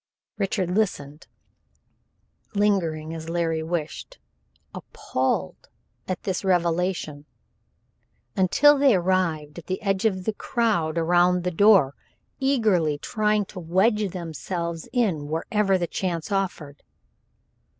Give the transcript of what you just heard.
Richard listened, lingering as Larry wished, appalled at this revelation, until they arrived at the edge of the crowd around the door, eagerly trying to wedge themselves in wherever the chance offered.